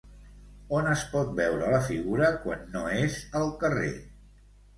On es pot veure la figura quan no és al carrer?